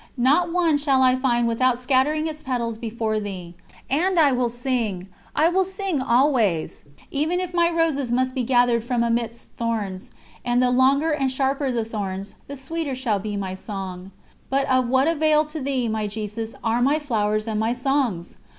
Not one shall I find without scattering its petals before Thee ... and I will sing ... I will sing always, even if my roses must be gathered from amidst thorns; and the longer and sharper the thorns, the sweeter shall be my song. But of what avail to thee, my Jesus, are my flowers and my songs?